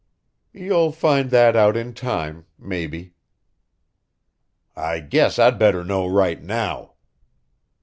"You'll find that out in time maybe." "I guess I'd better know right now."